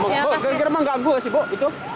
gere gere emang gak gua sih bu